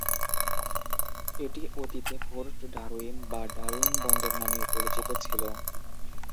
এটি অতীতে Port Darwin বা ডারউইন বন্দর নামেও পরিচিত ছিল।